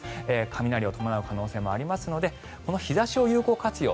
雷を伴う可能性もありますのでこの日差しを有効活用